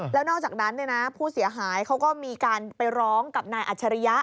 แล้วนอกจากนั้นผู้เสียหายเขาก็มีการไปร้องกับนายอัจฉริยะ